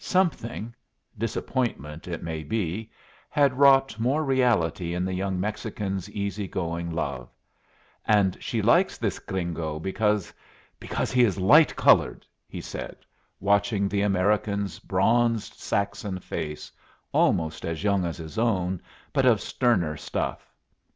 Something disappointment, it may be had wrought more reality in the young Mexican's easy going love. "And she likes this gringo because because he is light colored!" he said, watching the American's bronzed Saxon face, almost as young as his own, but of sterner stuff.